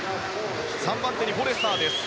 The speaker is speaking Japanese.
３番手にフォレスターです。